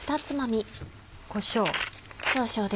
こしょう。